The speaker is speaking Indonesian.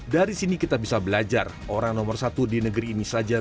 dari sini kita bisa belajar orang nomor satu di negeri ini saja